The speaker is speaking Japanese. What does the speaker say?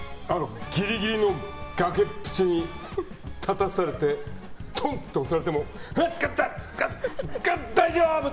ギリギリの崖っぷちに立たされてドンと押されてもダダダ大丈夫！